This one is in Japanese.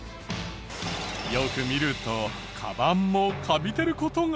よく見るとカバンもカビてる事が。